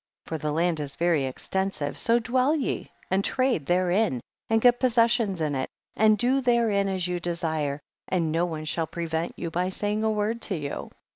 25. For our land is very exten sive, so dwell ye and trade therein and get possessions in it, and do therein as you desire, and no one shall prevent you by saying a word to you.